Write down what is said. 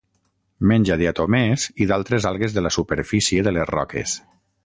Menja diatomees i d'altres algues de la superfície de les roques.